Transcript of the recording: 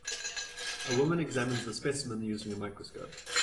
A woman examines a specimen using a microscope